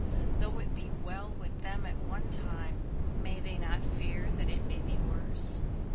Though it be well with them at one time, may they not fear that it may be worse?